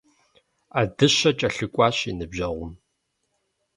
Ӏэдыщэ кӀэлъыкӀуащ и ныбжьэгъум.